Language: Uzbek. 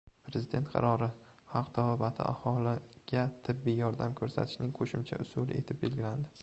Prezident qarori: xalq tabobati aholiga tibbiy yordam ko‘rsatishning qo‘shimcha usuli etib belgilandi